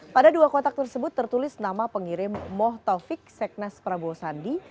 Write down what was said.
pada dua kotak tersebut tertulis nama pengirim moh taufik seknas prabowo sandi